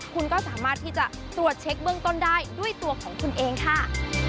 คุณก็สามารถที่จะตรวจเช็คเบื้องต้นได้ด้วยตัวของคุณเองค่ะ